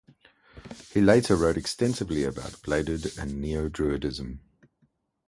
He later wrote extensively about Bladud and Neo-Druidism.